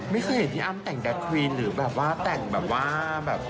ไม่เคยเห็นพี่อ้ำแต่งแดควีนหรือแบบว่าแต่งแบบว่าแบบ